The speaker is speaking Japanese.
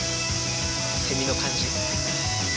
セミの感じ。